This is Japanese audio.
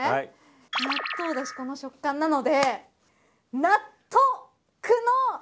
納豆だし、この食感なので。